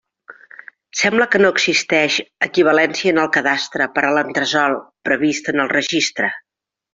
Sembla que no existeix equivalència en el Cadastre per a l'entresòl previst en el Registre.